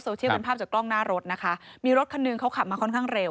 เชียลเป็นภาพจากกล้องหน้ารถนะคะมีรถคันหนึ่งเขาขับมาค่อนข้างเร็ว